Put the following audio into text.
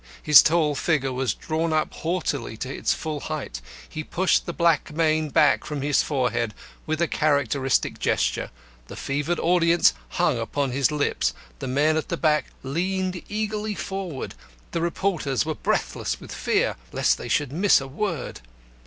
His tall figure was drawn up haughtily to its full height. He pushed the black mane back from his forehead with a characteristic gesture. The fevered audience hung upon his lips the men at the back leaned eagerly forward the reporters were breathless with fear lest they should miss a word.